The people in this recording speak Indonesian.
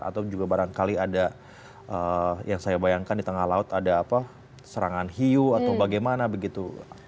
atau juga barangkali ada yang saya bayangkan di tengah laut ada serangan hiu atau bagaimana begitu